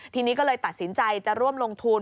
ทีนี้ก็เลยตัดสินใจจะร่วมลงทุน